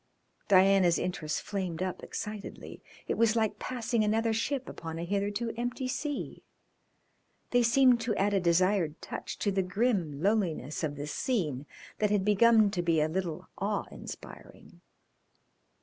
Diana's interest flamed up excitedly. It was like passing another ship upon a hitherto empty sea. They seemed to add a desired touch to the grim loneliness of the scene that had begun to be a little awe inspiring.